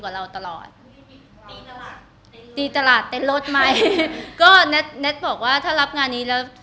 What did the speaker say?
กับเราตลอดตีตลาดเต็มรถไหมก็แน็ตบอกว่าถ้ารับงานนี้แล้ว